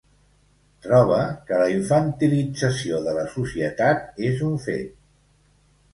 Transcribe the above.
Troba que la infantilització de la societat és un fet.